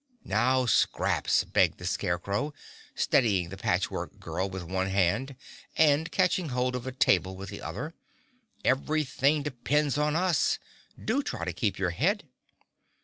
"Now, Scraps," begged the Scarecrow, steadying the Patch Work Girl with one hand and catching hold of a table with the other, "everything depends on us. Do try to keep your head!"